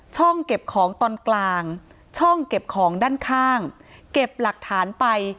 เก็บของตอนกลางช่องเก็บของด้านข้างเก็บหลักฐานไป